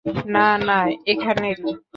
না, না, এখানেরই।